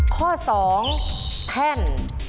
ข้อสองแท่น